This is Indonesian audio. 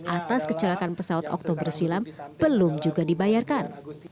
atas kecelakaan pesawat oktober silam belum juga dibayarkan